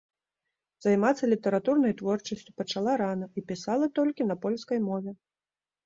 Займацца літаратурнай творчасцю пачала рана і пісала толькі на польскай мове.